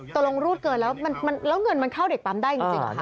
ตรงรูดเกินแล้วเงินมันเข้าเด็กปั๊มได้จริงเหรอคะ